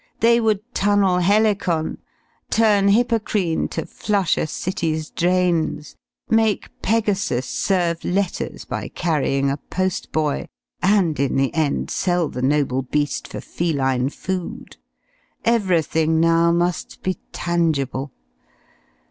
they would tunnel Helicon, turn Hippocrene to flush a city's drains, make Pegasus serve letters by carrying a post boy, and, in the end, sell the noble beast for feline food: everything now must be tangible.